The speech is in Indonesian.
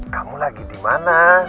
kamu lagi dimana